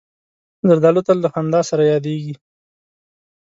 زردالو تل له خندا سره یادیږي.